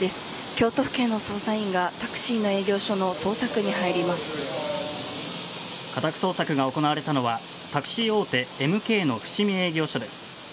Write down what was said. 京都府警の捜査員がタクシーの営業所の家宅捜索が行われたのはタクシー大手・エムケイの伏見営業所です。